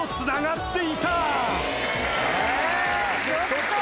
ちょっと。